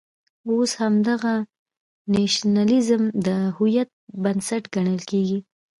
اوس همدغه نېشنلېزم د هویت بنسټ ګڼل کېږي.